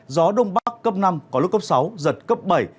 gió đông bắc cấp năm có lúc cấp sáu giật cấp bảy